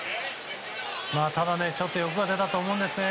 ただ、ちょっと欲が出たと思うんですね。